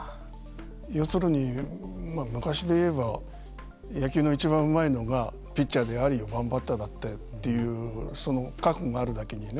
要するに昔で言えば野球の一番うまいのピッチャーであり４番バッターだったというその覚悟があるだけにね